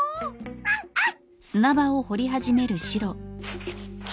アンアン！